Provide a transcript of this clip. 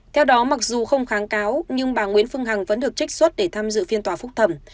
theo đó mặc dù không kháng cáo nhưng bà nguyễn phương hằng vẫn được trích xuất để tham dự phiên tòa phúc thẩm